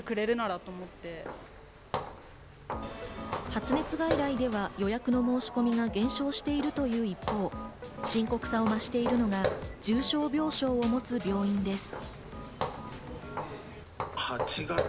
発熱外来では予約の申し込みが減少している一方、深刻さを増しているのが重症病床を持つ病院です。